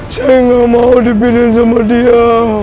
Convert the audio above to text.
saya gak mau dipindahin sama dia